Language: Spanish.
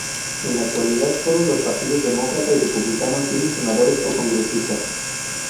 En la actualidad, solo los partidos Demócrata y Republicano tienen senadores o congresistas.